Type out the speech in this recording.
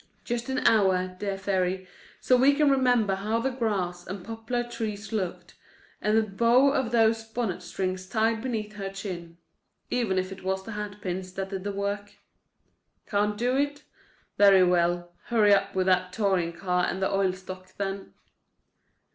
Just an hour, dear fairy, so we can remember how the grass and poplar trees looked, and the bow of those bonnet strings tied beneath her chin—even if it was the hatpins that did the work. Can't do it? Very well; hurry up with that touring car and the oil stock, then.